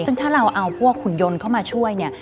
ซึ่งถ้าเราเอาพวกหุ่นยนต์เข้ามาช่วยเนี่ย